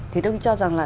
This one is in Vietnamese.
thì tôi nghĩ cho rằng là